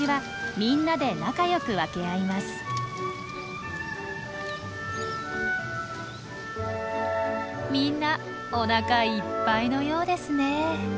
みんなおなかいっぱいのようですね。